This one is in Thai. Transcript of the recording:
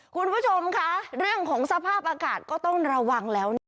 คุณผู้ชมค่ะเรื่องของสภาพอากาศก็ต้องระวังแล้วนะ